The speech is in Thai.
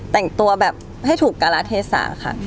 แต่งตัวแบบให้ถูกการาเทศะค่ะ